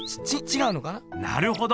なるほど。